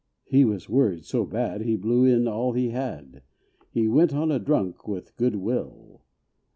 He was worried so bad, he blew in all he had; He went on a drunk with goodwill.